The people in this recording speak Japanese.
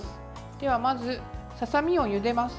ではまず、ささみをゆでます。